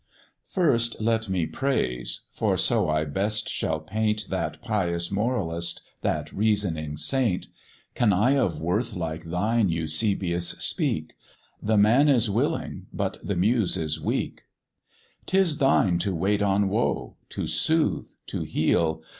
First let me praise for so I best shall paint That pious moralist, that reasoning saint! Can I of worth like thine, Eusebius, speak? The man is willing, but the Muse is weak; 'Tis thine to wait on woe! to soothe! to heal!